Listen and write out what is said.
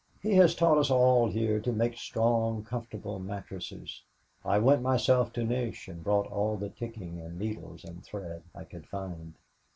He has taught us all here to make strong, comfortable mattresses. I went myself to Nish and brought all the ticking and needles and thread I could find."